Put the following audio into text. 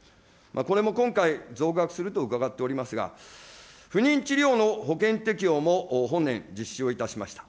これも今回、増額すると伺っておりますが、不妊治療の保険適用も本年、実施をいたしました。